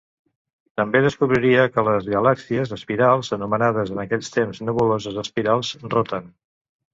També descobriria que les galàxies espirals, anomenades en aquells temps nebuloses espirals, roten.